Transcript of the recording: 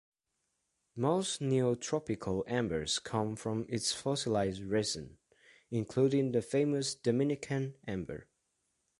Most neotropical ambers come from its fossilized resin, including the famous Dominican amber.